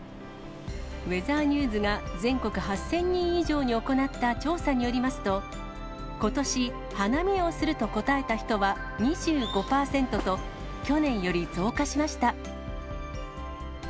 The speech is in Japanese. ウェザーニューズが全国８０００人以上に行った調査によりますと、ことし、花見をすると答えた人は２５％と、去年より増加しました。